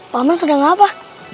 pak aman sedang apa